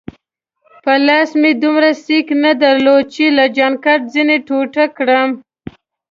په لاس مې دومره سېک نه درلود چي له جانکټ ځینې ټوټه کړم.